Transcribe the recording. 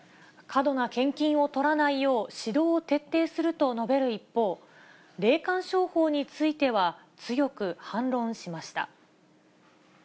過度な献金を取らないよう、指導を徹底すると述べる一方、霊感商法については強く反論しました。